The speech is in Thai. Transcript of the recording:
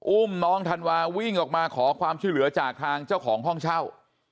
อุ้มน้องธันวาวิ่งออกมาขอความช่วยเหลือจากทางเจ้าของห้องเช่า